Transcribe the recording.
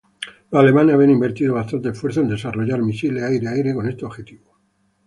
Los alemanes habían invertido bastante esfuerzo en desarrollar misiles aire-aire con este objetivo.